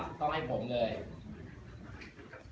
มีโครงมิตรราบเลยครับ